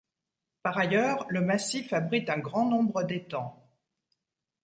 Par ailleurs, le massif abrite un grand nombre d'étangs.